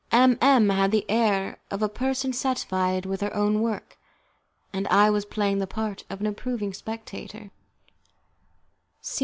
M M had the air of a person satisfied with her own work, and I was playing the part of an approving spectator.